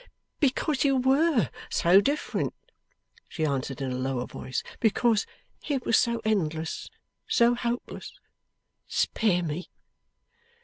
'Because you WERE so different,' she answered in a lower voice. 'Because it was so endless, so hopeless. Spare me!